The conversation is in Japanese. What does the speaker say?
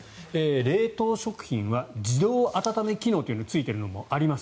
冷凍食品は自動温め機能というのがついているのもあります。